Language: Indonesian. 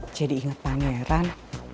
jadi inget pak nyeran